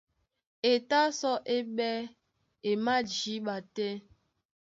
E tá sɔ́ é ɓɛ́ e májǐɓa tɛ́.